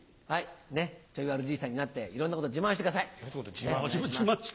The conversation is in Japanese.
チョイ悪じいさんになっていろんなことを自慢してください。